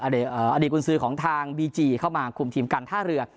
อดีตกุญสือของทางบีจีเข้ามาคุมทีมการท่าเรือ